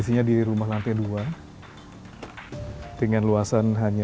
saya pun diperbolehkan untuk melihat ada apa di lantai duanya